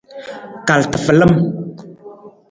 Kal tafalam.